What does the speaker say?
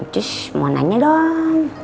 cuci mau nanya dong